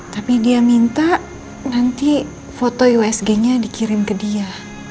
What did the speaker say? tapi dia minta nanti foto iwsg nya dikirim ke dia